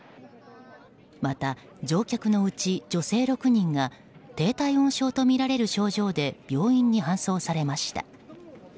また乗客のうち女性６人が低体温症とみられる症状で病院に搬送されました。